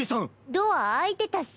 ドア開いてたっス。